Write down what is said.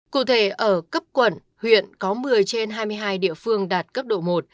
cụ thể ở cấp quận huyện có một mươi trên hai mươi hai địa phương đạt cấp độ một